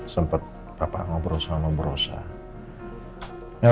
sempet papa ngobrol sama berusaha